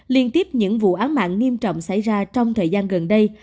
liên tiếp những vụ án mạng nghiêm trọng xảy ra trong thời gian gần đây